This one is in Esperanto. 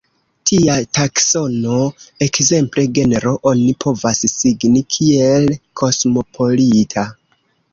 Tia taksono, ekzemple genro, oni povas signi kiel kosmopolita.